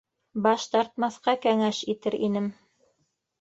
Баш тартмаҫҡа кәңәш итер инем...